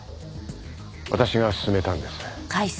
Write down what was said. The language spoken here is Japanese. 私が勧めたんです。